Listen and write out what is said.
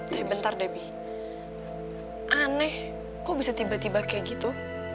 tapi bentar debbie aneh kok bisa tiba tiba kayak gitu